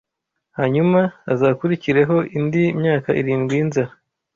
hanyuma hazakurikireho indi myaka irindwi y’inzara